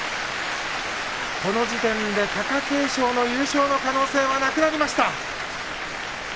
この時点で貴景勝の優勝の可能性はなくなりました。